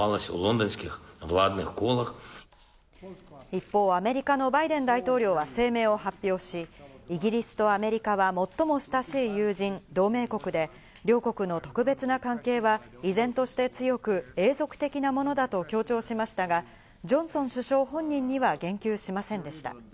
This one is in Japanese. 一方、アメリカのバイデン大統領は声明を発表し、イギリスとアメリカは最も親しい友人、同盟国で両国の特別な関係は依然として強く、永続的なものだと強調しましたが、ジョンソン首相本人には言及しませんでした。